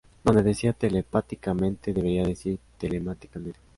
Donde decía telepáticamente debiera decir telemáticamente